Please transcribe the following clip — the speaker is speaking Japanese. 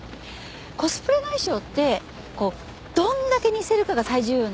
コスプレの衣装ってこうどんだけ似せるかが最重要なんで